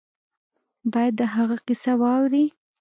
باید د هغه کیسه واوري.